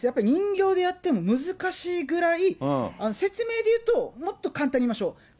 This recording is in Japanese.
人形でやっても難しいぐらい、説明で言うと、もっと簡単にいきましょう。